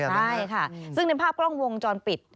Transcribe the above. ใช่ค่ะซึ่งในภาพกล้องวงจรปิด